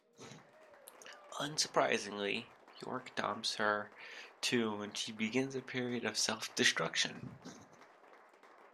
Unsurprisingly, York dumps her too and she begins a period of self-destruction.